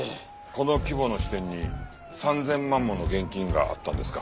この規模の支店に３０００万もの現金があったんですか？